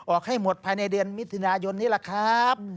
ให้หมดภายในเดือนมิถุนายนนี้แหละครับ